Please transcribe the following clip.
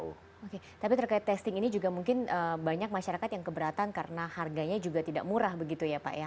oke tapi terkait testing ini juga mungkin banyak masyarakat yang keberatan karena harganya juga tidak murah begitu ya pak ya